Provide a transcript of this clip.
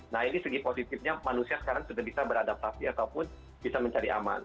nah ini segi positifnya manusia sekarang sudah bisa beradaptasi ataupun bisa mencari aman